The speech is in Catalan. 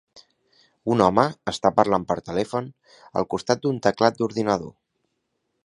Un home està parlant per telèfon al costat d'un teclat d'ordinador.